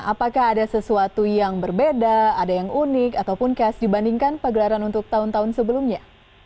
apakah ada sesuatu yang berbeda ada yang unik ataupun cash dibandingkan pagelaran untuk tahun tahun sebelumnya